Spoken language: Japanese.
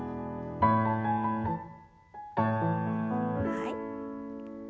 はい。